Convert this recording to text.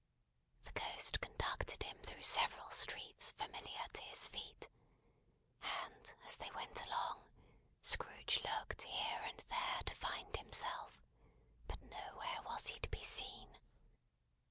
The Ghost conducted him through several streets familiar to his feet; and as they went along, Scrooge looked here and there to find himself, but nowhere was he to be seen.